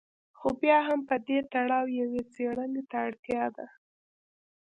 خو بیا هم په دې تړاو یوې څېړنې ته اړتیا ده.